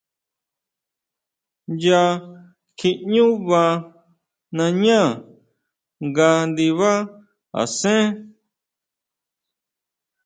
Nya kjiʼñú vaa nañá nga ndibá asén.